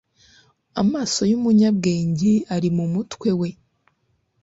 amaso y'umunyabwenge ari mu mutwe we